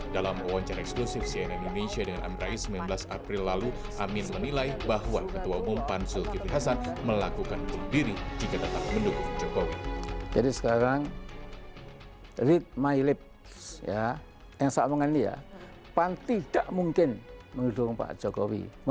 dalam wawancara eksklusif cnn indonesia dengan amin rais sembilan belas april lalu anies menilai bahwa ketua umum pan zulkifli hasan melakukan bunuh diri jika tetap mendukung jokowi